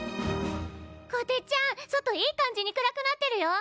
こてっちゃん外いい感じに暗くなってるよ。